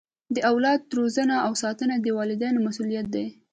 د اولاد روزنه او ساتنه د والدینو مسؤلیت دی.